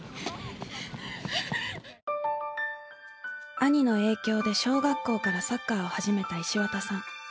兄の影響で小学校からサッカーを始めた石渡さん。